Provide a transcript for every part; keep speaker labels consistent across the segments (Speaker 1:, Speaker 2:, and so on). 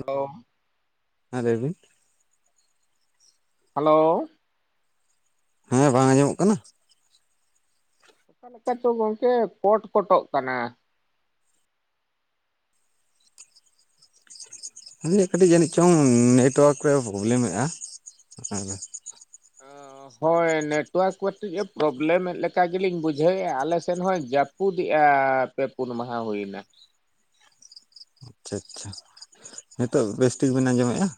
Speaker 1: Hello.
Speaker 2: ᱦᱮᱸ ᱞᱟᱹᱭ ᱵᱤᱱ᱾
Speaker 1: ᱦᱮᱞᱳ
Speaker 2: ᱦᱮᱸ, ᱵᱟᱝ ᱟᱸᱡᱚᱢᱚᱜ ᱠᱟᱱᱟ?
Speaker 1: ᱚᱠᱟ ᱞᱮᱠᱟᱪᱚ ᱜᱚᱝᱠᱮ ᱠᱚᱴ ᱠᱚᱴᱚᱜ ᱠᱟᱱᱟ?
Speaker 2: [unintelligible] ᱠᱟᱹᱴᱤᱡ ᱡᱟᱹᱱᱤᱡ ᱪᱚᱝ ᱱᱮᱴᱚᱣᱟᱨᱠ ᱨᱮ ᱯᱚᱵᱞᱮᱢᱮᱜ-ᱟ, ᱦᱩᱸ᱾
Speaker 1: ᱚ᱾ ᱦᱳᱭ ᱱᱮᱴᱚᱣᱟᱠ ᱠᱟᱹᱴᱤᱡ ᱮ ᱯᱨᱚᱵᱞᱮᱢᱮᱫ ᱞᱮᱠᱟ ᱜᱮᱞᱤᱧ ᱵᱩᱡᱷᱟᱹᱣᱮᱜ-ᱟ ᱟᱞᱮ ᱥᱮᱱ ᱦᱚᱸᱭ ᱡᱟᱯ ᱯᱩᱫᱮᱜ-ᱟ ᱯᱮ ᱯᱩᱱ ᱢᱟᱦᱟ ᱦᱩᱭᱮᱱᱟ᱾
Speaker 2: ᱟᱪᱪᱷᱟ ᱟᱪᱪᱷᱟ, ᱱᱤᱛᱳᱜ ᱵᱮᱥ ᱴᱷᱤᱠ ᱵᱮᱱ ᱟᱸᱡᱚᱢᱮᱜ-ᱟ?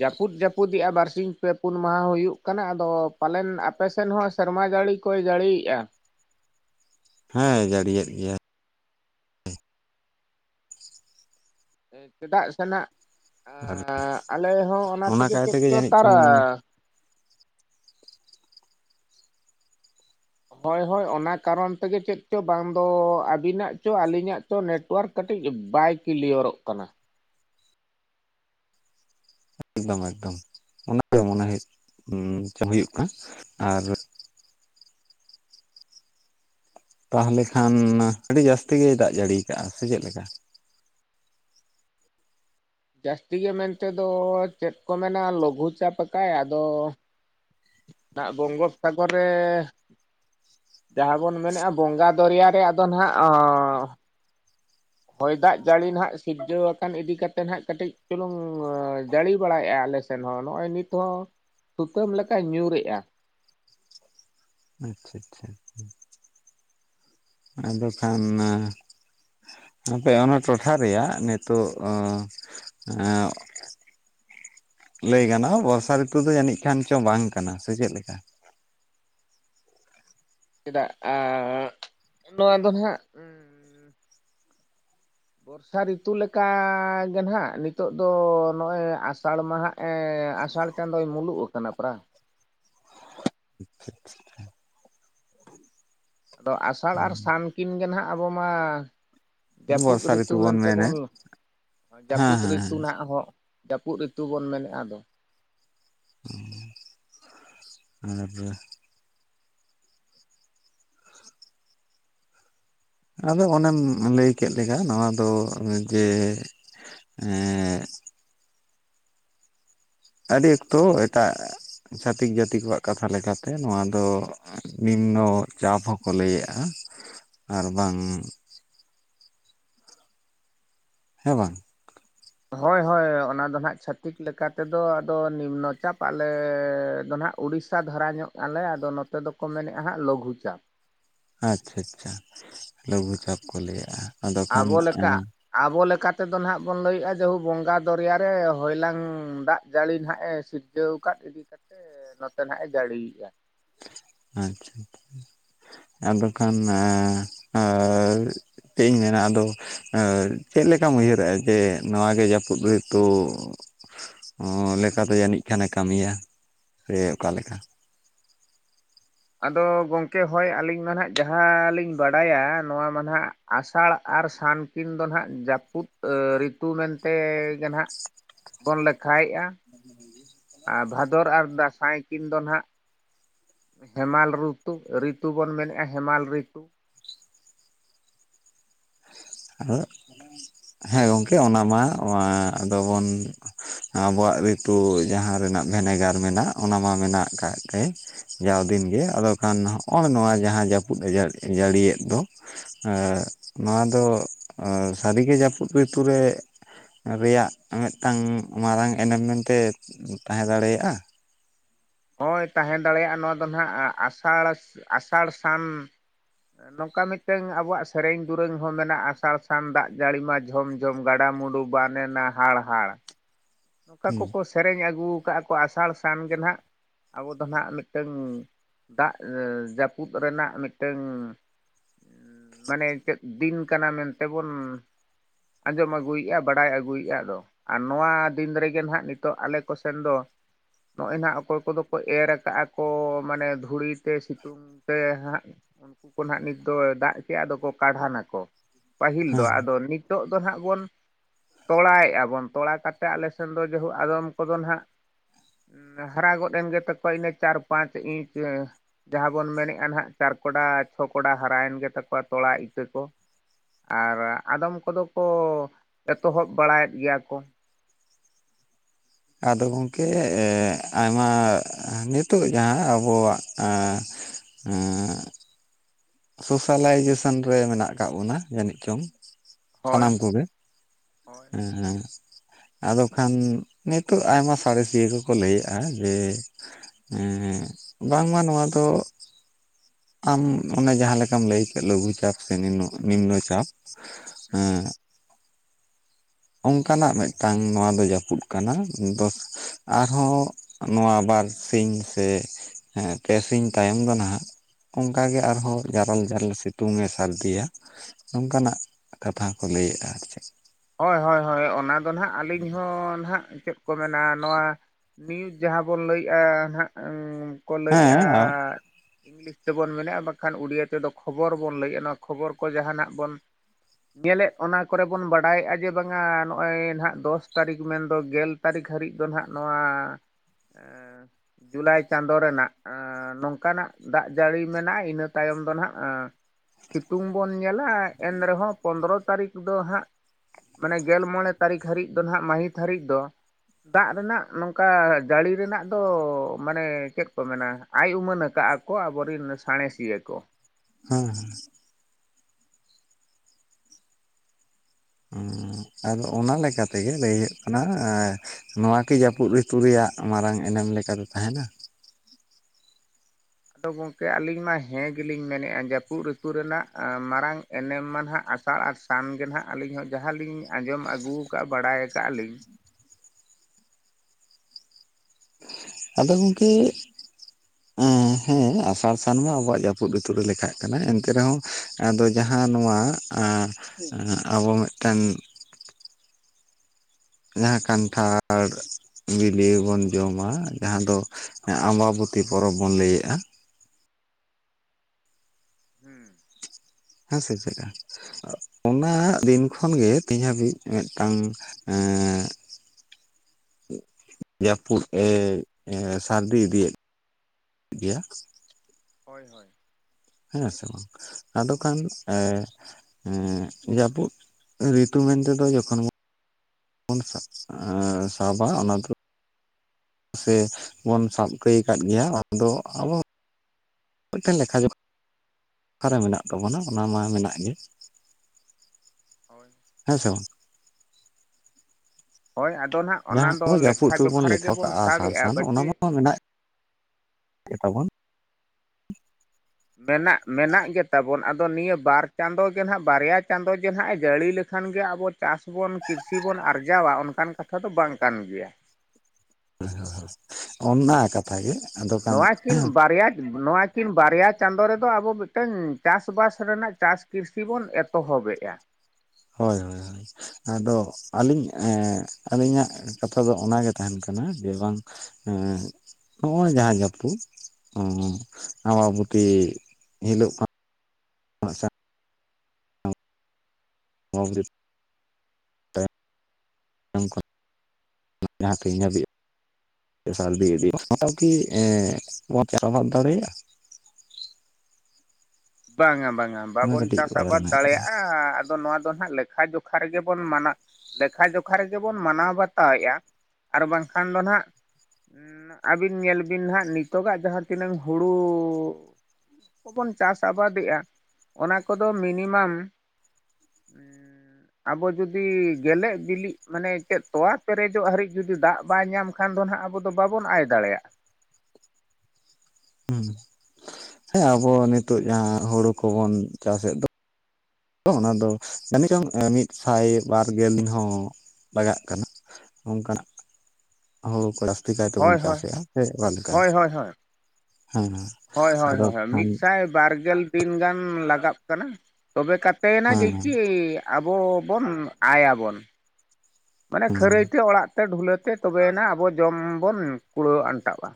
Speaker 1: ᱡᱟᱹᱯᱩᱫ ᱡᱟᱹᱯᱩᱫᱮᱜ-ᱟ ᱵᱟᱨᱥᱤᱧ ᱯᱮ, ᱯᱩᱱ ᱢᱟᱦᱟ ᱦᱩᱭᱩᱜ ᱠᱟᱱᱟ ᱟᱫᱚ ᱯᱟᱞᱮᱱ ᱟᱯᱮ ᱥᱮᱱ ᱦᱚᱸ ᱥᱮᱨᱢᱟ ᱡᱟᱹᱲᱤ ᱠᱚᱭ ᱡᱟᱹᱲᱤᱭᱮᱜ-ᱟ?
Speaker 2: ᱦᱮᱸ ᱡᱟᱹᱲᱤᱭᱮᱫ ᱜᱮᱭᱟ᱾
Speaker 1: ᱪᱮᱫᱟᱜ ᱥᱮ ᱱᱟᱜ ᱮᱻ
Speaker 2: ᱟᱨ
Speaker 1: ᱟᱞᱮ ᱦᱚᱸ ᱚᱱᱟ ᱛᱮᱜᱮ
Speaker 2: ᱠᱟᱭ
Speaker 1: ᱪᱮᱫ ᱪᱚ
Speaker 2: ᱡᱟᱹᱱᱤᱡ
Speaker 1: ᱛᱟᱨᱟ᱾
Speaker 2: ᱪᱚᱝ
Speaker 1: ᱦᱚᱭ ᱦᱚᱭ ᱚᱱᱟ ᱠᱟᱨᱚᱱ ᱛᱮᱜᱮ ᱪᱮᱫ ᱪᱚ ᱵᱟᱝ ᱫᱚ ᱟᱵᱤᱱᱟᱜ ᱪᱚ ᱟᱞᱤᱧᱟᱜ ᱪᱚ ᱱᱮᱴᱣᱟᱨᱠ ᱠᱟᱹᱴᱤᱡ ᱵᱟᱭ ᱠᱞᱤᱭᱚᱨᱚᱜ ᱠᱟᱱᱟ᱾
Speaker 2: ᱮᱠᱫᱚᱢ ᱮᱠᱫᱚᱢ ᱚᱱᱟᱜᱮ ᱢᱚᱱᱮ ᱦᱩᱭᱩᱜ [unintelligible] ᱪᱚᱝ ᱦᱩᱭᱩᱜ ᱠᱟᱱ ᱟᱨ ᱛᱟᱦᱞᱮ ᱠᱷᱟᱱ ᱟᱰᱤ ᱡᱟᱹᱥᱛᱤ ᱜᱮᱭ ᱫᱟᱜ ᱡᱟᱹᱲᱤᱭ ᱠᱟᱜ-ᱟ ᱥᱮ ᱪᱮᱫᱞᱮᱠᱟ?
Speaker 1: ᱡᱟᱹᱥᱛᱤ ᱜᱮ ᱢᱮᱱᱛᱮ ᱫᱚ ᱪᱮᱫ ᱠᱚ ᱢᱮᱱᱟ ᱞᱚᱜᱷᱩ ᱪᱟᱯ ᱟᱠᱟᱜ-ᱟᱭ᱾ ᱟᱫᱚ ᱫᱟᱜ ᱵᱚᱝᱜᱳᱯ ᱥᱟᱜᱚᱨ ᱨᱮ ᱡᱟᱦᱟᱸ ᱵᱚᱱ ᱢᱮᱱᱮᱜ-ᱟ ᱵᱚᱸᱜᱟ ᱫᱚᱨᱭᱟ ᱨᱮ ᱟᱫᱚ ᱱᱟᱜ ᱚᱸᱻ ᱦᱚᱭ ᱫᱟᱜ ᱡᱟᱹᱲᱤ ᱱᱟᱦᱟᱜ ᱥᱤᱨᱡᱟᱹᱣ ᱟᱠᱟᱱ ᱤᱫᱤ ᱠᱟᱛᱮᱫ ᱱᱟᱦᱟᱜ ᱠᱟᱹᱴᱤᱡ ᱪᱩᱞᱩᱝ ᱡᱟᱲᱤ ᱵᱟᱲᱟᱭᱮᱜ-ᱟᱭ ᱟᱞᱮᱥ ᱥᱮᱱ ᱦᱚᱸ᱾ ᱱᱚᱜ-ᱚᱭ ᱱᱤᱛ ᱦᱚᱸ ᱥᱩᱛᱟᱹᱢ ᱞᱮᱠᱟ ᱧᱩᱨᱮ-ᱟ᱾
Speaker 2: ᱟᱪᱪᱷᱟ-ᱪᱷᱟ, ᱦᱩᱸ᱾ ᱟᱫᱚ ᱠᱷᱟᱱ ᱟᱯᱮ ᱚᱱᱟ ᱴᱚᱴᱷᱟ ᱨᱮᱭᱟᱜ ᱱᱤᱛᱳᱜ, ᱮᱸᱜ ᱞᱟᱹᱭ ᱜᱟᱱᱚᱜ-ᱟ ᱵᱚᱨᱥᱟ ᱨᱤᱛᱩ ᱫᱚ ᱡᱟᱱᱤᱡ ᱠᱷᱟᱱ ᱪᱚ ᱵᱟᱝ ᱠᱟᱱᱟ ᱥᱮ ᱪᱮᱫᱞᱮᱠᱟ?
Speaker 1: ᱪᱮᱫᱟᱜ ᱮᱸᱻ ᱱᱚᱣᱟ ᱫᱚ ᱱᱟᱦᱟᱜ ᱵᱚᱨᱥᱟ ᱨᱤᱛᱩ ᱞᱮᱠᱟ ᱜᱮ ᱱᱟᱦᱟᱜ ᱱᱤᱛᱚᱜ ᱫᱚ ᱱᱚᱜ-ᱚᱭ ᱟᱥᱟᱲ ᱢᱟᱦᱟᱸᱜ ᱮᱸᱻ ᱟᱥᱟᱲ ᱪᱟᱸᱫᱚᱭ ᱢᱩᱞᱩᱜ ᱟᱠᱟᱱᱟ ᱯᱟᱨᱟ᱾ ᱟᱫᱚ ᱟᱥᱟᱲ ᱟᱨ ᱥᱟᱱ ᱠᱤᱱ ᱜᱮ ᱱᱟᱦᱟᱜ ᱟᱵᱚ ᱢᱟ ᱡᱟᱹᱯᱩᱫ
Speaker 2: ᱵᱚᱨᱥᱟ
Speaker 1: ᱨᱤᱛᱩ
Speaker 2: ᱵᱚᱱ ᱢᱮᱱᱮᱫ
Speaker 1: ᱢᱮᱱᱛᱮᱵᱚᱱ,
Speaker 2: ᱦᱮᱸ
Speaker 1: ᱡᱟᱹᱯᱩᱫ
Speaker 2: ᱦᱮᱸ
Speaker 1: ᱨᱤᱛᱩ ᱱᱟᱜ ᱦᱚᱸ ᱡᱟᱹᱯᱩᱫ ᱨᱤᱛᱩ ᱵᱚᱱ ᱢᱮᱱᱮᱜ-ᱟ ᱟᱫᱚ᱾
Speaker 2: ᱦᱩᱸ᱾ ᱦᱩᱸ ᱦᱩᱸ᱾ ᱟᱫᱚ ᱚᱱᱮᱢ ᱞᱟᱹᱭ ᱠᱮᱫ ᱞᱮᱠᱟ ᱱᱚᱣᱟ ᱫᱚ ᱡᱮ, ᱮᱸᱜ ᱟᱹᱰᱤ ᱚᱠᱛᱚ ᱮᱴᱟᱜ ᱪᱷᱟᱹᱛᱤᱠ ᱡᱟᱹᱛᱤ ᱠᱚᱣᱟᱜ ᱠᱟᱛᱷᱟ ᱞᱮᱠᱟᱛᱮ ᱱᱚᱣᱟ ᱫᱚ ᱱᱤᱢᱱᱚ ᱪᱟᱯ ᱦᱚᱸᱠᱚ ᱞᱟᱹᱭᱮᱜ-ᱟ ᱟᱨ ᱵᱟᱝ ᱦᱮᱸ ᱵᱟᱝ?
Speaker 1: ᱦᱳᱭ ᱦᱳᱭ ᱚᱱᱟ ᱫᱚ ᱱᱟᱦᱟᱜ ᱪᱷᱟᱹᱛᱤᱠ ᱞᱮᱠᱟᱛᱮᱫᱚ ᱟᱫᱚ ᱱᱤᱢᱱᱚ ᱪᱟᱯ ᱟᱞᱮ ᱫᱚ ᱱᱟᱦᱟᱜ, ᱩᱲᱤᱥᱥᱟ ᱫᱷᱟᱨᱟ ᱧᱚᱜ ᱟᱞᱮ ᱟᱫᱚ ᱱᱚᱛᱮ ᱫᱚᱠᱚ ᱢᱮᱱᱮᱫ ᱟ ᱦᱟᱸᱜ ᱞᱚᱜᱷᱩ ᱪᱟᱯ᱾
Speaker 2: ᱟᱪᱪᱷᱟ ᱪᱪᱪᱷᱟ, ᱞᱚᱜᱷᱩ ᱪᱟᱯ ᱠᱚ ᱞᱟᱹᱭᱟᱜᱼᱟ ᱟᱫᱚ ᱠᱷᱟᱱ
Speaker 1: ᱟᱵᱚ
Speaker 2: ᱮᱸ,
Speaker 1: ᱞᱮᱠᱟ ᱟᱵᱚ ᱞᱮᱠᱟᱛᱮᱫᱚ ᱱᱟᱦᱟᱜ ᱵᱚᱱ ᱞᱟᱹᱭᱮᱫᱼᱟ ᱡᱮᱦᱩ ᱵᱚᱸᱜᱟ ᱫᱚᱨᱭᱟ ᱨᱮ ᱦᱚᱭᱞᱟᱝ ᱫᱟᱜ ᱡᱟᱹᱲᱤ ᱱᱟᱦᱟᱜ ᱮ ᱥᱤ, ᱡᱟᱹᱣ ᱠᱟᱫ ᱤᱫᱤ ᱠᱟᱛᱮ ᱱᱚᱛᱮ ᱱᱟᱜ ᱮ ᱡᱟᱲᱤᱭᱮᱜᱼᱟ᱾
Speaker 2: ᱟᱪᱪᱷᱟ ᱟᱪᱪᱷᱟ, ᱟᱫᱚ ᱠᱷᱟᱱ ᱮᱸ, ᱪᱮᱫ ᱤᱧ ᱢᱮᱱᱟ ᱟᱫᱚ ᱪᱮᱫ ᱞᱮᱠᱟᱢ ᱩᱭᱦᱟᱹᱨᱮᱜᱼᱟ ᱡᱮ ᱱᱚᱣᱟᱜᱮ ᱡᱟᱹᱯᱩᱫ ᱨᱤᱛᱩ ᱚᱸ ᱞᱮᱠᱟᱛᱮ ᱡᱟᱹᱱᱤᱡ ᱠᱷᱟᱱᱮ ᱠᱟᱹᱢᱤᱭᱟ ᱥᱮ ᱚᱠᱟᱞᱮᱠᱟ?
Speaker 1: ᱟᱫᱚ ᱜᱚᱝᱠᱮ ᱦᱳᱭ ᱟᱹᱞᱤᱧ ᱢᱟ ᱱᱟᱦᱟᱜ ᱡᱟᱦᱟᱸᱞᱤᱧ ᱵᱟᱰᱟᱭᱟ ᱱᱚᱣᱟ ᱢᱟ ᱱᱟᱦᱟᱜ, ᱟᱥᱟᱲ ᱟᱨ ᱥᱟᱱ ᱠᱤᱱ ᱫᱚ ᱱᱟᱦᱟᱜ ᱡᱟᱹᱯᱩᱫ ᱨᱤᱛᱩ ᱢᱮᱱᱛᱮᱜᱮ ᱱᱟᱦᱟᱜ, ᱵᱚᱱ ᱞᱮᱠᱷᱟᱭᱮᱜᱼᱟ᱾ ᱟᱨ ᱵᱷᱟᱫᱚᱨ ᱟᱨ ᱫᱟᱸᱥᱟᱭ ᱠᱤᱱ ᱫᱚ ᱱᱟᱦᱟᱜ, ᱦᱮᱢᱟᱞ ᱨᱩᱛᱩ, ᱨᱤᱛᱩ ᱵᱚᱱ ᱢᱮᱱᱮᱜᱼᱟ ᱦᱮᱢᱟᱞ ᱨᱤᱛᱩ᱾
Speaker 2: ᱟᱫᱚ ᱦᱮᱸ ᱜᱚᱝᱠᱮ, ᱚᱱᱟ ᱢᱟ ᱟᱫᱚ ᱵᱚᱱ, ᱟᱵᱚᱣᱟᱜ ᱨᱤᱛᱩ ᱡᱟᱦᱟᱸ ᱨᱮᱱᱟᱜ ᱵᱷᱮᱱᱮᱜᱟᱨ ᱢᱮᱱᱟᱜ, ᱚᱱᱟ ᱢᱟ ᱢᱮᱱᱟᱜ ᱠᱟᱜ ᱜᱮ, ᱡᱟᱣ ᱫᱤᱱ ᱜᱮ ᱟᱫᱚ ᱠᱷᱟᱱ ᱦᱚᱸᱜᱼᱚᱭ ᱱᱚᱣᱟ ᱡᱟᱦᱟᱸ ᱡᱟᱹᱯᱩᱫ ᱮ ᱡᱟᱹᱲᱤᱭᱮᱫ ᱫᱚ, ᱱᱚᱣᱟ ᱫᱚ ᱥᱟᱹᱨᱤᱜᱮ ᱡᱟᱹᱯᱩᱫ ᱨᱤᱛᱩ ᱨᱮ, ᱨᱮᱭᱟᱜ ᱢᱤᱫᱴᱟᱝ ᱢᱟᱨᱟᱝ ᱮᱱᱮᱢ ᱢᱮᱱᱛᱮ ᱛᱟᱦᱮᱸ ᱫᱟᱲᱮᱭᱟᱜᱼᱟ᱾
Speaker 1: ᱦᱳᱭ, ᱛᱟᱦᱮᱸ ᱫᱟᱲᱮᱭᱟᱜᱼᱟ ᱱᱚᱣᱟ ᱫᱚ ᱦᱟᱸᱜ ᱟᱥᱟᱲ ᱟᱥᱟᱲ ᱥᱟᱱ, ᱱᱚᱝᱠᱟ ᱢᱤᱫᱴᱟᱝ ᱟᱵᱚᱣᱟᱜ ᱥᱮᱨᱮᱧ ᱫᱩᱨᱟᱹᱝ ᱦᱚᱸ ᱢᱮᱱᱟᱜᱼᱟ ᱟᱥᱟᱲ ᱥᱟᱱ ᱫᱟᱜ ᱡᱟᱹᱲᱤ ᱢᱟ, ᱡᱷᱚᱢ ᱡᱷᱚᱢ ᱜᱟᱰᱟᱢᱩᱰᱩ ᱵᱟᱱ ᱮᱱᱟ ᱦᱟᱲᱦᱟᱲ᱾ ᱱᱚᱝᱠᱟ
Speaker 2: ᱦᱩᱸ
Speaker 1: ᱠᱚᱠᱚ ᱥᱮᱨᱮᱧ ᱟᱹᱜᱩ ᱠᱟᱜᱼᱟ ᱠᱚ ᱟᱥᱟᱲ ᱥᱟᱱ ᱜᱮ ᱦᱟᱸᱜ ᱟᱵᱚ ᱫᱚ ᱦᱟᱸᱜ ᱢᱤᱫᱴᱟᱹᱱ ᱫᱟᱜ ᱡᱟᱹᱯᱩᱫ ᱨᱮᱱᱟᱜ ᱢᱤᱫᱴᱟᱝ ᱢᱟᱱᱮ ᱪᱮᱫ ᱫᱤᱱ ᱠᱟᱱᱟ ᱢᱮᱱᱛᱮ ᱵᱚᱱ, ᱟᱸᱡᱚᱢ ᱟᱹᱜᱩᱭᱮᱫᱼᱟ ᱵᱟᱲᱟᱭ ᱟᱹᱜᱩᱭᱮᱫᱼᱟ ᱟᱫᱚ ᱟᱨ ᱱᱚᱣᱟ, ᱫᱤᱱ ᱨᱮᱜᱮ ᱱᱟᱦᱟᱜ ᱱᱤᱛᱚᱜ ᱟᱞᱮ ᱠᱚ ᱥᱮᱱ ᱫᱚ, ᱱᱚᱜᱼᱚᱭ ᱱᱟᱜ ᱚᱠᱚᱭ ᱠᱚᱫᱚ ᱠᱚ ᱮᱨ ᱠᱟᱜᱼᱟ ᱠᱚ ᱢᱟᱱᱮ ᱫᱷᱩᱲᱤ ᱛᱮ ᱥᱤᱛᱩᱝ ᱛᱮ ᱦᱟᱸᱜ ᱩᱱᱠᱩ ᱠᱚ ᱱᱟᱜ ᱱᱤᱛ ᱫᱚ ᱫᱟᱜ ᱠᱮᱜᱼᱟ ᱟᱫᱚ ᱠᱚ ᱠᱟᱬ ᱦᱟᱱ ᱟᱠᱚ᱾ ᱯᱟᱹᱦᱤᱞ ᱫᱚ
Speaker 2: ᱦᱮᱸ
Speaker 1: ᱟᱫᱚ ᱱᱤᱛᱚᱜ ᱫᱚ ᱱᱟᱦᱟᱜ ᱵᱚᱱ ᱛᱚᱲᱟᱭᱮᱜᱼᱟ ᱵᱚᱱ, ᱛᱚᱲᱟ ᱠᱟᱛᱮ ᱛᱮ ᱟᱞᱮ ᱥᱮᱱ ᱫᱚ ᱡᱮᱦᱩᱠ ᱟᱫᱚᱢ ᱠᱚᱫᱚ ᱱᱟᱦᱟᱜ, ᱦᱟᱨᱟ ᱜᱚᱫ ᱮᱱ ᱜᱮ ᱛᱟᱠᱚᱣᱟ ᱤᱱᱟᱹ ᱪᱟᱨ ᱯᱟᱸᱪ ᱤᱱᱠᱟᱹ᱾ ᱡᱟᱦᱟᱸ ᱵᱚᱱ ᱢᱮᱱᱮᱜᱼᱟ ᱱᱟᱦᱟᱜ ᱪᱟᱨ ᱠᱚᱲᱟ ᱪᱷᱚ ᱠᱚᱲᱟ ᱦᱟᱨᱟᱭᱮᱱ ᱜᱮ ᱛᱟᱠᱚᱣᱟ ᱛᱚᱲᱟ ᱤᱛᱟᱹ ᱠᱚ᱾ ᱟᱨ ᱟᱫᱚᱢ ᱠᱚᱫᱚ ᱠᱚ ᱮᱛᱚᱦᱚᱵ ᱵᱟᱲᱟᱭᱮᱫ ᱜᱮᱭᱟ ᱠᱚ᱾
Speaker 2: ᱟᱫᱚ ᱜᱚᱝᱠᱮ, ᱟᱭᱢᱟ ᱱᱤᱛᱚᱜ ᱡᱟᱦᱟᱸ ᱟᱵᱚᱣᱟᱜ ᱟ ᱟᱸ, ᱥᱳᱥᱟᱞᱟᱭᱡᱮᱥᱚᱱ ᱨᱮ ᱢᱮᱱᱟᱜ ᱟᱠᱟᱜ ᱵᱚᱱᱟ ᱡᱟᱹᱱᱤᱡ ᱪᱚᱝ?
Speaker 1: ᱦᱳᱭ
Speaker 2: ᱥᱟᱱᱟᱢ ᱠᱚᱜᱮ,
Speaker 1: ᱦᱳᱭ
Speaker 2: ᱮᱸᱜ, ᱟᱫᱚ ᱠᱷᱟᱱ ᱱᱤᱛᱚᱜ ᱟᱭᱢᱟ ᱥᱟᱬᱮᱥᱤᱭᱟᱹ ᱠᱚᱠᱚ ᱞᱟᱹᱭᱮᱜᱼᱟ ᱡᱮ, ᱮᱸᱜ, ᱵᱟᱝ ᱢᱟ ᱱᱚᱣᱟ ᱫᱚ ᱟᱢ, ᱚᱱᱮ ᱡᱟᱦᱟᱸ ᱞᱮᱠᱟᱢ ᱞᱟᱹᱭ ᱠᱮᱫ ᱞᱩᱜᱩ ᱪᱟᱯ ᱥᱮ ᱱᱤ ᱱᱤᱢᱱᱚ ᱪᱟᱯ᱾ ᱦᱮᱸ᱾ ᱚᱝᱠᱟ ᱱᱟᱜ ᱢᱤᱫᱴᱟᱝ ᱱᱚᱣᱟ ᱫᱚ ᱡᱟᱹᱯᱩᱫ ᱠᱟᱱᱟ ᱫᱚ᱾ ᱟᱨᱦᱚᱸ ᱱᱚᱣᱟ ᱵᱟᱨ ᱥᱤᱧ ᱥᱮ ᱯᱮ ᱥᱤᱧ ᱛᱟᱭᱚᱢ ᱫᱚ ᱱᱟᱜ, ᱚᱱᱠᱟ ᱜᱮ ᱟᱨᱦᱚᱸ ᱡᱟᱨᱟᱞ ᱡᱟᱨᱟᱞ ᱥᱤᱛᱩᱝ ᱮ ᱥᱟᱹᱨᱫᱤᱭᱟ᱾ ᱱᱚᱝᱠᱟᱱᱟᱜ ᱠᱟᱛᱷᱟ ᱦᱚᱸ ᱠᱚ ᱞᱟᱹᱭᱮᱜᱼᱟ ᱟᱨ ᱪᱮᱫ ᱾
Speaker 1: ᱦᱳᱭ ᱦᱳᱭ ᱦᱳᱭ, ᱚᱱᱟ ᱫᱚ ᱱᱟᱦᱟᱜ ᱟᱹᱞᱤᱧ ᱦᱚᱸ ᱱᱟᱦᱟᱜ ᱪᱮᱫ ᱠᱚ ᱢᱮᱱᱟ ᱱᱚᱣᱟᱼᱼ ᱱᱤᱭᱩᱡᱽ ᱡᱟᱦᱟᱸ ᱵᱚᱱ ᱞᱟᱹᱭᱮᱜᱼᱟ ᱦᱟᱸᱜ ᱠᱚ ᱞᱟᱹᱭᱮᱜᱼᱟᱼᱼ
Speaker 2: ᱦᱮᱸ
Speaker 1: ᱤᱝᱞᱤᱥ ᱛᱮᱵᱚᱱ ᱢᱮᱱᱮᱜᱼᱟ, ᱵᱟᱝ ᱠᱷᱟᱱ ᱩᱲᱤᱭᱟ ᱛᱮᱫᱚ ᱠᱷᱚᱵᱚᱨ ᱵᱚᱱ ᱞᱟᱹᱭᱮᱫᱼᱟ, ᱱᱚᱣᱟ ᱠᱷᱚᱵᱚᱨ ᱠᱚ ᱡᱟᱦᱟᱱᱟᱜ ᱵᱚᱱᱼᱼ ᱧᱮᱞᱮᱜ ᱚᱱᱟ ᱠᱚᱨᱮ ᱵᱚᱱ ᱵᱟᱲᱟᱭᱼᱼ ᱵᱟᱰᱟᱭᱮᱜᱼᱟ ᱡᱮ ᱵᱟᱝᱟ ᱱᱚᱜᱼᱚᱭ ᱱᱟᱦᱟᱜ ᱫᱚᱥ ᱛᱟᱹᱨᱤᱠᱷ ᱢᱮᱱ ᱫᱚ ᱜᱮᱞ ᱛᱟᱹᱨᱤᱠᱷ ᱦᱟᱹᱨᱤᱡ ᱫᱚ ᱱᱟᱦᱟᱜ ᱱᱚᱣᱟᱼᱼ ᱦ [inaudible] ᱡᱩᱞᱟᱭ ᱪᱟᱸᱫᱚ ᱨᱮᱱᱟᱜ ᱱᱚᱝᱠᱟᱱ ᱟᱜ ᱫᱟᱜ ᱡᱟᱹᱲᱤ ᱢᱮᱱᱟᱜᱼᱟ ᱤᱱᱟᱹ ᱛᱟᱭᱚᱢ ᱫᱚ ᱱᱟᱦᱟᱜᱼᱼ ᱥᱤᱛᱩᱝ ᱵᱚᱱ ᱧᱮᱞᱟ ᱮᱱ ᱨᱮᱦᱚᱸ ᱯᱚᱱᱨᱚ ᱛᱟᱹᱨᱤᱠᱷ ᱫᱚ ᱦᱟᱸᱜᱼᱼ ᱢᱟᱱᱮ ᱜᱮᱞ ᱢᱚᱬᱮᱸ ᱛᱟᱹᱨᱤᱠᱷ ᱦᱟᱹᱨᱤᱡ ᱫᱚ ᱱᱟᱜ ᱢᱟᱹᱦᱤᱛ ᱦᱟᱹᱨᱤᱡ ᱫᱚᱼᱼ ᱫᱟᱜ ᱨᱮᱱᱟᱜ ᱱᱚᱝᱠᱟ ᱡᱟᱹᱲᱤ ᱨᱮᱱᱟᱜ ᱫᱚ ᱢᱟᱱᱮ ᱪᱮᱫ ᱠᱚ ᱢᱮᱱᱟ, ᱟᱭ ᱩᱢᱟᱹᱱ ᱟᱠᱟᱜᱼᱟ ᱠᱚ ᱟᱵᱚ ᱨᱮᱱ ᱥᱟᱬᱮᱥᱤᱭᱟᱹ ᱠᱚ ᱾
Speaker 2: ᱦᱮᱸ ᱾ ᱟᱫᱚ ᱚᱱᱟ ᱞᱮᱠᱟ ᱛᱮᱜᱮ ᱞᱟᱹᱭ ᱦᱩᱭᱩᱜ ᱠᱟᱱᱟ᱾ ᱱᱚᱣᱟ ᱠᱤ ᱡᱟᱹᱯᱩᱫ ᱨᱤᱛᱩ ᱨᱮᱭᱟᱜ ᱢᱟᱨᱟᱝ ᱮᱱᱮᱢ ᱞᱮᱠᱟ ᱛᱚ ᱛᱟᱦᱮᱱᱟ?
Speaker 1: ᱟᱫᱚ ᱜᱚᱝᱠᱮ ᱟᱹᱞᱤᱧ ᱢᱟ ᱦᱮᱸ ᱜᱮᱞᱤᱧ ᱢᱮᱱᱮᱜᱼᱟ ᱡᱟᱹᱯᱩᱜ ᱨᱤᱛᱩ ᱨᱮᱱᱟᱜ ᱟ ᱢᱟᱨᱟᱝ ᱮᱱᱮᱢ ᱢᱟ ᱱᱟᱦᱟᱜ ᱟᱥᱟᱲ ᱟᱨᱼᱼ ᱥᱟᱱ ᱜᱮ ᱱᱟᱦᱟᱜ ᱟᱹᱞᱤᱧ ᱦᱚᱸ ᱡᱟᱦᱟᱸ ᱞᱤᱧ ᱟᱸᱡᱚᱢ ᱟᱹᱜᱩ ᱟᱠᱟᱜ ᱵᱟᱲᱟᱭ ᱠᱟᱜᱼᱟ ᱞᱤᱧ᱾
Speaker 2: ᱟᱫᱚ ᱜᱚᱝᱠᱮᱼᱼ
Speaker 1: [unintelligible]
Speaker 2: ᱮᱸ ᱦᱮᱸ ᱟᱥᱟᱲ ᱥᱟᱱᱢᱟ ᱟᱵᱚᱣᱟᱜ ᱡᱟᱹᱯᱩᱫ ᱨᱤᱛᱩᱨ ᱨᱮ ᱞᱮᱠᱷᱟᱜ ᱠᱟᱱᱟ ᱮᱱᱛᱮ ᱨᱮᱦᱚᱸᱼᱼ ᱟᱫᱚ ᱡᱟᱦᱟᱸ ᱱᱚᱣᱟ ᱟᱵᱚ ᱢᱮᱫᱴᱟᱝᱼᱼ ᱡᱟᱦᱟᱸ ᱠᱟᱱᱴᱷᱟᱲᱼᱼ ᱵᱤᱞᱤ ᱦᱚᱵᱚᱱ ᱵᱚᱱ ᱡᱚᱢᱟ ᱡᱟᱦᱟᱸ ᱫᱚ ᱟᱢᱵᱟᱵᱚᱛᱤ ᱯᱚᱨᱚᱵᱽ ᱵᱚᱱ ᱞᱟᱹᱭᱮᱜᱼᱟ᱾
Speaker 1: ᱦᱩᱸ
Speaker 2: ᱦᱮᱸ ᱥᱮ ᱪᱮᱫᱠᱟ ᱚᱱᱟ ᱫᱤᱱ ᱠᱷᱚᱱ ᱜᱮ ᱛᱮᱦᱤᱧ ᱦᱟᱹᱵᱤᱡ ᱢᱮᱫᱴᱟᱝᱼᱼ ᱮᱸᱜ ᱡᱟᱹᱯᱩᱫ ᱮ ᱥᱟᱨᱫᱤ ᱤᱫᱤᱭᱮᱫᱼᱼ ᱜᱮᱭᱟ᱾
Speaker 1: ᱦᱳᱭ ᱦᱳᱭ᱾
Speaker 2: ᱦᱮᱸ ᱥᱮ ᱵᱟᱝ ᱟᱫᱚ ᱠᱷᱟᱱ ᱮᱼᱼ ᱮᱸ ᱡᱟᱹᱯᱩᱫ ᱨᱤᱛᱩ ᱢᱮᱱᱛᱮᱫᱚ ᱡᱚᱠᱷᱚᱱ ᱵᱚᱱᱼᱼ ᱚᱱᱠᱟ ᱟᱸ ᱥᱟᱵᱟ ᱚᱱᱟ ᱫᱚᱼᱼ ᱥᱮ ᱵᱚᱱ ᱥᱟᱵ ᱠᱟᱹᱭ ᱟᱠᱟᱫ ᱜᱮᱭᱟ ᱚᱱᱟ ᱫᱚ ᱟᱵᱚᱼᱼ ᱢᱤᱫᱴᱮᱱ ᱞᱮᱠᱷᱟ ᱡᱚᱠᱷᱟᱨᱮ ᱢᱮᱱᱟᱜ ᱛᱟᱵᱚᱱᱟ ᱚᱱᱟ ᱢᱟ ᱢᱮᱱᱟᱜ ᱜᱮᱼᱼ
Speaker 1: ᱦᱳᱭ
Speaker 2: ᱦᱮᱸ ᱥᱮ ᱵᱟᱝ?
Speaker 1: ᱦᱳᱭ ᱟᱫᱚ ᱱᱟᱦᱟᱜᱼᱼ
Speaker 2: ᱡᱟᱦᱟᱸ ᱟᱵᱚ ᱡᱟᱹᱯᱩᱫᱛᱩ ᱵᱚᱱ ᱞᱮᱠᱷᱟ ᱠᱟᱜᱼᱟ ᱥᱟᱨ
Speaker 1: ᱥᱟᱵᱮᱜᱼᱟ
Speaker 2: ᱥᱟᱱ ᱚᱱᱟ
Speaker 1: ᱵᱟᱹᱠᱤ
Speaker 2: ᱢᱟ ᱢᱮᱱᱟᱜ ᱜᱮᱛᱟᱵᱚᱱ᱾
Speaker 1: ᱢᱮᱱᱟᱜ ᱢᱮᱱᱟᱜ ᱜᱮᱛᱟᱵᱚᱱ ᱟᱫᱚ ᱱᱤᱭᱟᱹ ᱵᱟᱨ ᱪᱟᱸᱫᱚ ᱜᱮ ᱱᱟᱦᱟᱸᱜ ᱵᱟᱨᱭᱟ ᱪᱟᱸᱫᱚ ᱡᱮ ᱱᱟᱦᱟᱸᱜ ᱡᱟᱹᱲᱤ ᱞᱮᱠᱷᱟᱱ ᱜᱮ ᱟᱵᱚᱼᱼ ᱪᱟᱥᱵᱚᱱ ᱠᱨᱤᱥᱤ ᱵᱚᱱ ᱟᱨᱡᱟᱣᱟ ᱚᱱᱠᱟᱱ ᱠᱟᱛᱷᱟ ᱫᱚ ᱵᱟᱝ ᱠᱟᱱ ᱜᱮᱭᱟ᱾
Speaker 2: ᱚᱱᱱᱟ ᱠᱟᱛᱷᱟ ᱜᱮᱼᱼ
Speaker 1: ᱱᱚᱣᱟ ᱠᱤᱱ ᱵᱟᱨᱭᱟ ᱱᱚᱣᱟᱼᱼ ᱠᱤᱱ ᱵᱟᱨᱭᱟ ᱪᱟᱸᱫᱳ ᱨᱮᱫᱚ ᱟᱵᱚ ᱢᱤᱫᱴᱮᱱ ᱪᱟᱥᱵᱟᱥ ᱨᱮᱱᱟᱜ ᱪᱟᱥ ᱠᱨᱤᱥᱤ ᱵᱚᱱ ᱮᱛᱚᱦᱚᱵᱮᱜᱼᱟ᱾
Speaker 2: ᱦᱳᱭ ᱦᱳᱭ ᱦᱳᱭ᱾ ᱟᱫᱚ ᱟᱹᱞᱤᱧ ᱮᱸ ᱟᱹᱞᱤᱧᱟᱜ ᱠᱟᱛᱷᱟ ᱫᱚ ᱚᱱᱟᱜᱮ ᱛᱟᱦᱮᱱ ᱠᱟᱱᱟ ᱡᱮ ᱵᱟᱝᱼᱼ ᱮᱸ ᱱᱚᱜᱼᱚᱭ ᱡᱟᱦᱟᱸ ᱡᱟᱹᱯᱩᱫ, ᱦᱩᱸ, ᱟᱸᱵᱟᱵᱚᱛᱤ ᱦᱤᱞᱳᱜ ᱠᱷᱚᱱ᱾ [unintelligible] ᱡᱟᱦᱟᱸ ᱛᱤᱦᱤᱧ ᱦᱟᱹᱵᱤᱡ ᱥᱟᱨᱫᱤ ᱤᱫᱤᱜ [unintelligible] ᱮᱸᱜ ᱵᱚᱱ ᱪᱟᱥ ᱟᱵᱟᱫ ᱫᱟᱲᱮᱭᱟᱜ-ᱟ?
Speaker 1: ᱵᱟᱝᱟ ᱵᱟᱝᱟ,
Speaker 2: ᱚᱱᱟ
Speaker 1: ᱵᱟᱵᱚᱱ
Speaker 2: ᱠᱟᱹᱴᱤᱡ
Speaker 1: ᱪᱟᱥ
Speaker 2: ᱵᱟᱲᱟᱭ
Speaker 1: ᱟᱵᱟᱫ
Speaker 2: ᱥᱟᱱᱟᱭᱮᱫ ᱞᱤᱧᱟ
Speaker 1: ᱫᱟᱲᱮᱭᱟᱜ-ᱟ᱾ ᱟᱫᱚ ᱱᱚᱣᱟ ᱫᱚ ᱱᱟᱜ ᱞᱮᱠᱷᱟ ᱡᱚᱠᱷᱟ ᱨᱮᱜᱮ ᱵᱚᱱ ᱢᱟᱱᱟᱜ, ‌ ᱞᱮᱠᱷᱟ ᱡᱚᱠᱷᱟ ᱨᱮᱜᱮ ᱵᱚᱱ ᱢᱟᱱᱟᱣ ᱵᱟᱛᱟᱣᱮᱜ-ᱟ᱾ ᱟᱨ ᱵᱟᱝᱠᱷᱟᱱ ᱫᱚ ᱱᱟᱦᱟᱜ ᱩᱸᱻ ᱟᱹᱵᱤᱱ ᱧᱮᱞ ᱵᱤᱱ ᱱᱟᱦᱟᱜ ᱱᱤᱛᱚᱜᱟᱜ ᱡᱟᱦᱟᱸ ᱛᱤᱱᱟᱹᱝ ᱦᱩᱲᱩ ᱠᱚᱵᱚᱱ ᱪᱟᱥ ᱟᱵᱟᱫᱮᱜ-ᱟ, ᱚᱱᱟ ᱠᱚᱫᱚ ᱢᱤᱱᱤᱢᱟᱢ ᱩᱸᱻ ᱟᱵᱚ ᱡᱩᱫᱤ ᱜᱮᱞᱮᱜ ᱵᱤᱞᱤᱜ ᱢᱟᱱᱮ ᱪᱮᱫ ᱛᱚᱣᱟ ᱯᱮᱨᱮᱡᱚᱜ ᱦᱟᱹᱨᱤᱡ ᱡᱩᱫᱤ ᱫᱟᱜ ᱵᱟᱭ ᱧᱟᱢ ᱠᱷᱟᱱ ᱫᱚ ᱱᱟᱦᱟᱜ ᱟᱵᱚ ᱫᱚ ᱵᱟᱵᱚᱱ ᱟᱭ ᱫᱟᱲᱮᱭᱟᱜ-ᱟ᱾
Speaker 2: ᱦᱩᱸ, ᱦᱮᱸ ᱟᱵᱚ ᱱᱤᱛᱳᱜ ᱡᱟᱦᱟᱸ ᱦᱳᱲᱳ ᱠᱚᱵᱚᱱ ᱪᱟᱥᱮᱜ ᱫᱚ᱾ ᱛᱚ, ᱚᱱᱟ ᱫᱚ ᱡᱟᱹᱱᱤ ᱪᱚᱝ ᱢᱤᱫᱥᱟᱭ ᱵᱟᱨ ᱜᱮᱞ ᱦᱚᱸ ᱞᱟᱜᱟᱜ ᱠᱟᱱᱟ᱾ ᱱᱚᱝᱠᱟᱱᱟᱜ ᱦᱚᱸ ᱠᱚᱲᱟᱥᱛᱤ ᱠᱟᱭ
Speaker 1: ᱦᱳᱭ
Speaker 2: ᱛᱮᱵᱚᱱ
Speaker 1: ᱦᱳᱭ
Speaker 2: ᱪᱟᱥᱮᱜ-ᱟ ᱥᱮ ᱚᱠᱟ ᱞᱮᱠᱟ? ᱦᱮᱸ
Speaker 1: ᱦᱚᱭ, ᱦᱚᱭ
Speaker 2: ᱟᱫᱚ
Speaker 1: ᱦᱚᱭ ᱦᱚᱭ
Speaker 2: ᱠᱷᱟᱱ
Speaker 1: ᱢᱤᱫᱥᱟᱭ ᱵᱟᱨᱜᱮᱞ ᱛᱤᱱ ᱜᱟᱱ ᱞᱟᱜᱟᱣᱚᱜ ᱠᱟᱱᱟ, ᱛᱚᱵᱮ ᱠᱟᱛᱮᱭᱮᱱᱟ
Speaker 2: ᱦᱮᱸ
Speaker 1: ᱜᱮᱠᱤ ᱟᱵᱚ ᱵᱚᱱ ᱟᱭᱟᱵᱚᱱ᱾ ᱢᱟᱱᱮ
Speaker 2: ᱦᱮᱸ
Speaker 1: ᱠᱷᱟᱹᱨᱟᱹᱭ ᱛᱮ, ᱚᱲᱟᱜ ᱛᱮ, ᱰᱷᱩᱞᱟᱹ ᱛᱮ, ᱛᱚᱵᱮᱭᱱᱟ ᱟᱵᱚ ᱡᱚᱢ ᱵᱚᱱ ᱠᱩᱲᱟᱹᱣ ᱟᱱᱴᱟᱣᱚᱜ-ᱟ᱾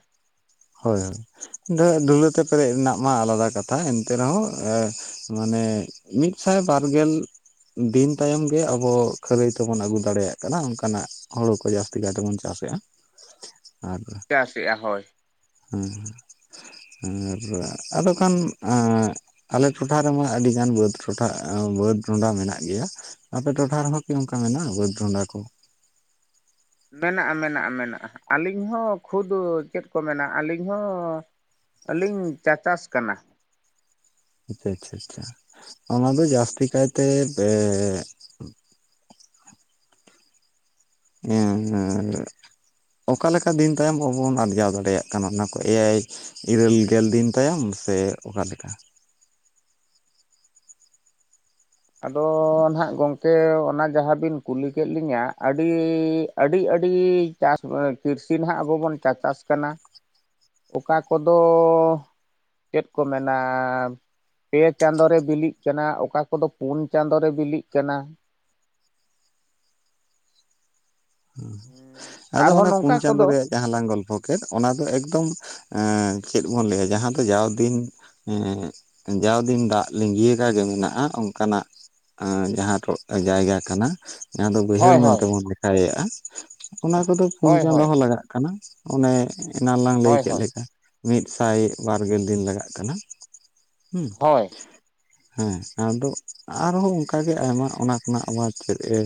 Speaker 2: ᱦᱳᱭ, ᱟᱫᱚ ᱰᱩᱞᱟᱹ ᱛᱮ ᱯᱮᱨᱮᱡ ᱨᱮᱱᱟᱜ ᱢᱟ ᱟᱞᱟᱫᱟ ᱠᱟᱛᱷᱟ ᱮᱱᱛᱮ ᱨᱮᱦᱚᱸ ᱮᱸ ᱢᱟᱱᱮ ᱢᱤᱫᱥᱟᱭ ᱵᱟᱨᱜᱮᱞ ᱫᱤᱱ ᱛᱟᱭᱚᱢ ᱜᱮ ᱟᱵᱚ ᱠᱷᱟᱹᱨᱟᱹᱭ ᱛᱮᱵᱚᱱ ᱟᱹᱜᱩ ᱫᱟᱲᱮᱭᱟᱜ ᱠᱟᱱᱟ ᱚᱝᱠᱟᱱᱟᱜ ᱦᱩᱲᱩ ᱠᱚ ᱡᱟᱹᱥᱛᱤ ᱠᱟᱭ ᱛᱮᱵᱚᱱ ᱪᱟᱥᱮᱜ-ᱟ ᱟᱨ
Speaker 1: ᱪᱟᱥᱮᱜ-ᱟ ᱦᱳᱭ᱾
Speaker 2: ᱦᱩᱸ ᱟᱨ ᱟᱫᱚ ᱠᱷᱟᱱ ᱟᱸᱜ ᱟᱞᱮ ᱴᱚᱴᱷᱟ ᱨᱮᱢᱟ ᱟᱹᱰᱤ ᱜᱟᱱ ᱵᱟᱹᱫ ᱴᱚᱴᱷᱟ, ᱵᱟᱹᱫ ᱰᱚᱸᱰᱟ ᱢᱮᱱᱟᱜ ᱜᱮᱭᱟ᱾ ᱟᱯᱮ ᱴᱚᱴᱷᱟ ᱨᱮᱦᱚᱸ ᱠᱤ ᱱᱚᱝᱠᱟ ᱢᱮᱱᱟᱜ-ᱟ ᱵᱟᱹᱫ ᱰᱚᱸᱰᱟ ᱠᱚ?
Speaker 1: ᱢᱮᱱᱟᱜ-ᱟ ᱢᱮᱱᱟᱜ-ᱟ ᱢᱮᱱᱟᱜ-ᱟ, ᱟᱹᱞᱤᱧ ᱦᱚᱸ ᱠᱷᱩᱫ ᱪᱮᱫ ᱠᱚ ᱢᱮᱱᱟ ᱟᱹᱞᱤᱧ ᱦᱚᱸ ᱟᱹᱞᱤᱧ ᱪᱟᱪᱟᱥ ᱠᱟᱱᱟ᱾
Speaker 2: ᱟᱪᱪᱷᱟ ᱟᱪᱪᱷᱟ ᱟᱪᱪᱷᱟ ᱚᱱᱟ ᱫᱚ ᱡᱟᱹᱥᱛᱤ ᱠᱟᱭᱛᱮ ᱵᱮ [unintelligible] ᱚᱠᱟ ᱞᱮᱠᱟ ᱫᱤᱱ ᱛᱟᱭᱚᱢ ᱟᱵᱚᱵᱚᱱ ᱟᱨᱡᱟᱣ ᱫᱟᱲᱮᱭᱟᱜ ᱠᱟᱱᱟ ᱚᱱᱟ ᱠᱚ ᱮᱭᱟᱭ ᱤᱨᱟᱹᱞ ᱜᱮᱞ ᱫᱤᱱ ᱛᱟᱭᱚᱢ ᱥᱮ ᱚᱠᱟ ᱞᱮᱠᱟ?
Speaker 1: ᱟᱫᱚ ᱱᱟᱦᱟᱜ ᱜᱚᱝᱠᱮ ᱚᱱᱟ ᱡᱟᱦᱟᱸᱵᱤᱱ ᱠᱩᱞᱤ ᱠᱮᱫ ᱞᱤᱧᱟᱹ ᱟᱹᱰᱤ, ᱟᱹᱰᱤ ᱟᱹᱰᱤ ᱪᱟᱥ ᱠᱤᱨᱥᱤᱱ ᱱᱟᱜ ᱟᱵᱚ ᱵᱚᱱ ᱪᱟᱪᱟᱥ ᱠᱟᱱᱟ ᱚᱠᱟ ᱠᱚᱫᱚ ᱪᱮᱫ ᱠᱚ ᱢᱮᱱᱟ ᱯᱮ ᱪᱟᱸᱫᱚ ᱨᱮ ᱵᱤᱞᱤᱜ ᱠᱟᱱᱟ ᱚᱠᱟ ᱠᱚᱫᱚ ᱯᱩᱱ ᱪᱟᱸᱫᱚ ᱨᱮ ᱵᱤᱞᱤᱜ ᱠᱟᱱᱟ᱾
Speaker 2: ᱦᱩᱸ, ᱟᱫᱚ
Speaker 1: ᱟᱨᱦᱚᱸ
Speaker 2: ᱚᱱᱟ ᱯᱩᱱ
Speaker 1: ᱱᱚᱝᱠᱟ
Speaker 2: ᱪᱟᱸᱫᱚ
Speaker 1: ᱠᱚᱫᱚ
Speaker 2: ᱨᱮᱭᱟᱜ ᱡᱟᱦᱟᱸ ᱞᱟᱝ ᱜᱚᱞᱯᱷᱚ ᱠᱮᱫ ᱚᱱᱟ ᱫᱚ ᱮᱠᱫᱚᱢ ᱮᱸᱜ ᱪᱮᱫ ᱵᱚᱱ ᱞᱟᱹᱭᱟ ᱡᱟᱦᱟᱸ ᱫᱚ ᱡᱟᱣ ᱫᱤᱱ ᱮᱸᱜ, ᱡᱟᱣ ᱫᱤᱱ ᱫᱟᱜ ᱞᱤᱸᱜᱤᱭᱟᱠᱟ ᱜᱮ ᱢᱮᱱᱟᱜ-ᱟ ᱚᱝᱠᱟᱱᱟᱜ ᱮᱸᱻ ᱡᱟᱦᱟᱸ ᱴᱚ ᱡᱟᱭᱜᱟ ᱠᱟᱱᱟ ᱡᱟᱦᱟᱸ ᱫᱚ ᱵᱟᱹᱭᱦᱟᱹᱲ
Speaker 1: ᱦᱳᱭ
Speaker 2: ᱢᱮᱱ
Speaker 1: ᱦᱳᱭ
Speaker 2: ᱛᱮᱵᱚᱱ ᱞᱮᱠᱷᱟᱭᱮᱜ-ᱟ ᱚᱱᱟ ᱠᱚᱫᱚ ᱯᱩᱱ
Speaker 1: ᱦᱳᱭ
Speaker 2: ᱪᱟᱸᱫᱚ
Speaker 1: ᱦᱳᱭ
Speaker 2: ᱦᱚᱸ ᱞᱟᱜᱟᱜ ᱠᱟᱱᱟ᱾ ᱚᱱᱮ ᱮᱱᱟᱱ ᱞᱟᱝ ᱞᱟᱹᱭ
Speaker 1: ᱦᱳᱭ
Speaker 2: ᱠᱮᱫ
Speaker 1: ᱦᱳᱭ
Speaker 2: ᱞᱮᱠᱟ ᱢᱤᱫ ᱥᱟᱭ ᱵᱟᱨ ᱜᱮᱞ ᱫᱤᱱ ᱞᱟᱜᱟᱜ ᱠᱟᱱᱟ᱾ ᱦᱩᱸ᱾
Speaker 1: ᱦᱳᱭ
Speaker 2: ᱦᱮᱸ ᱟᱫᱚ ᱟᱨᱦᱚᱸ ᱚᱝᱠᱟ ᱜᱮ ᱟᱭᱢᱟ ᱚᱱᱟ ᱠᱷᱚᱱᱟᱜ ᱟᱵᱟᱨ ᱪᱮᱫ ᱮ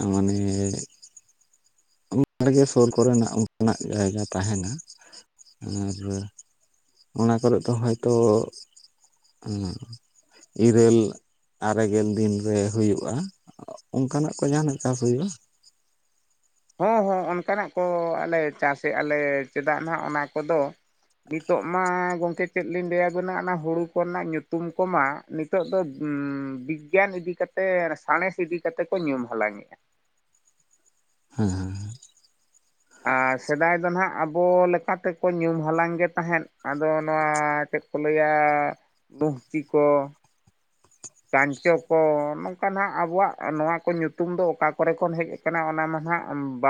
Speaker 2: ᱮᱸᱜ ᱢᱟᱱᱮ ᱚᱝᱠᱟᱜᱮ ᱥᱳᱨ ᱠᱚᱨᱮᱱᱟᱜ ᱚᱱᱠᱟᱱᱟᱜ ᱡᱟᱭᱜᱟ ᱛᱟᱸᱦᱮᱱᱟ [unintelligible] ᱚᱱᱟ ᱠᱚᱨᱮᱜ ᱫᱚ ᱦᱚᱭᱛᱚ [unintelligible] ᱤᱨᱟᱹᱞ ᱟᱨᱮ ᱜᱮᱞ ᱫᱤᱱ ᱨᱮ ᱦᱩᱭᱩᱜ-ᱟ᱾ ᱚᱝᱠᱟᱱᱟᱜ ᱠᱚ ᱧᱟᱢ‌ ᱞᱮᱠᱷᱟᱱ [unintelligible]
Speaker 1: ᱦᱚᱸ ᱦᱚᱸ ᱚᱱᱠᱟᱱᱟᱜ ᱠᱚ ᱟᱞᱮ ᱪᱟᱥᱮᱜ-ᱟ ᱞᱮ ᱪᱮᱫᱟᱜ ᱱᱟᱜ ᱚᱱᱟ ᱠᱚᱫᱚ ᱱᱤᱛᱚᱜ ᱢᱟ ᱜᱚᱝᱠᱮ ᱪᱮᱫ ᱞᱤᱧ ᱞᱟᱹᱭ ᱟᱵᱮᱱᱟ ᱚᱱᱟ ᱦᱩᱲᱩ ᱠᱚᱨᱮᱱᱟᱜ ᱧᱩᱛᱩᱢ ᱠᱚᱢᱟ ᱱᱤᱛᱚᱜ ᱫᱚ ᱵᱤᱜᱽᱜᱟᱱ ᱤᱫᱤ ᱠᱟᱛᱮᱜ ᱥᱟᱬᱮᱥ ᱤᱫᱤ ᱠᱟᱛᱮ ᱠᱚ ᱧᱩᱢ ᱦᱟᱞᱟᱝᱮᱜ-ᱟ᱾
Speaker 2: ᱦᱩᱸ ᱦᱩᱸ᱾
Speaker 1: ᱟᱨ ᱥᱮᱫᱟᱭ ᱫᱚ ᱱᱟᱦᱟᱜ ᱟᱵᱚ ᱞᱮᱠᱟ ᱛᱮᱠᱚ ᱧᱩᱢ ᱦᱟᱞᱟᱝ ᱜᱮ ᱛᱟᱦᱮᱸᱫ ᱟᱫᱚ ᱱᱚᱣᱟ ᱪᱮᱫ ᱠᱚ ᱞᱟᱹᱭᱟ ᱫᱩᱝᱪᱤ ᱠᱚ
Speaker 2: [unintelligible]
Speaker 1: ᱠᱟᱧᱪᱚ ᱠᱚ ᱱᱚᱝᱠᱟ ᱱᱟᱦᱟᱜ ᱟᱵᱚᱣᱟᱜ ᱱᱚᱣᱟ ᱠᱚ ᱧᱩᱛᱩᱢ ᱫᱚ ᱚᱠᱟ ᱠᱚᱨᱮ ᱠᱷᱚᱱ ᱦᱮᱡ ᱠᱟᱱᱟ ᱚᱱᱟ ᱢᱟ ᱱᱟᱦᱟᱜ ᱵᱟ